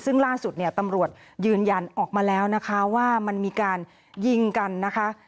ซึ่งล่าสุดเนี่ยตำรวจยืนยันออกมาแล้วนะคะว่ามันมีการยิงกันนะคะ